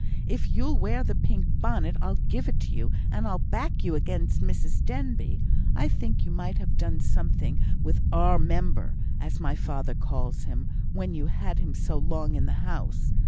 If you'll wear the pink bonnet I'll give it you, and I'll back you against Mrs Denbigh. I think you might have done something with 'our member,' as my father calls him, when you had him so long in the house.